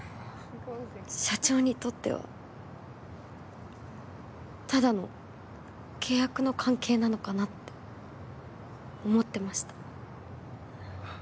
社長にとっては、ただの契約の関係なのかなって思ってました。